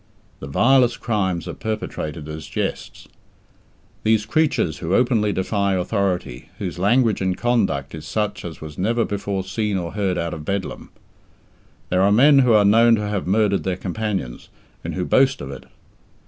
The vilest crimes are perpetrated as jests. These are creatures who openly defy authority, whose language and conduct is such as was never before seen or heard out of Bedlam. There are men who are known to have murdered their companions, and who boast of it.